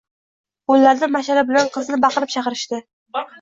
Qo`llarda mash`ala bilan qizni baqirib chaqirishdi